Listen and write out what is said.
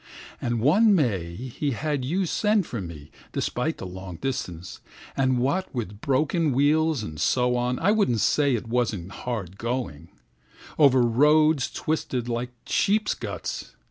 And one May he had you send for me, despite the long distance; And what with broken wheels and so on, I won't say it wasn't hard going …Over roads twisted like sheep's guts.